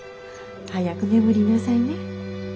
早く眠りなさいね。